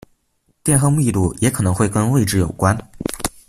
电荷密度也可能会跟位置有关。